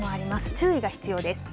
注意が必要です。